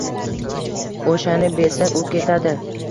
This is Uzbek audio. O‘shani bersang u ketadi.